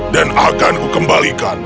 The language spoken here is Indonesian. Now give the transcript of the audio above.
dan akan kukembalikan